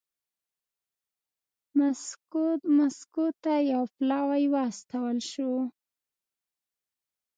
مسکو ته یو پلاوی واستول شو